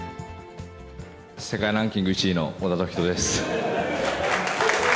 世界ランキング１位の小田凱人です。